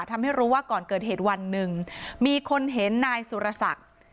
ทำให้รู้ว่าก่อนเกิดเหตุวันหนึ่งมีคนเห็นนายสุรศักดิ์